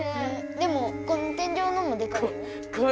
でもこの天じょうのもでかいよ。